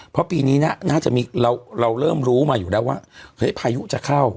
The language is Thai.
เพราะปีนี้น่าจะมีเราเริ่มรู้มาอยู่แล้วว่าเฮ้ยพายุจะเข้า